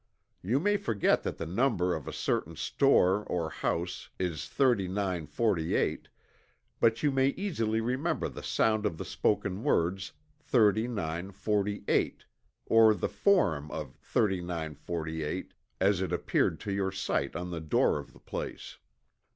You may forget that the number of a certain store or house is 3948, but you may easily remember the sound of the spoken words "thirty nine forty eight," or the form of "3948" as it appeared to your sight on the door of the place.